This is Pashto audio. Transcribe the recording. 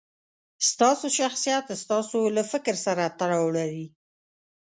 ستاسو شخصیت ستاسو له فکر سره تړاو لري.